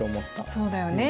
そうだよね。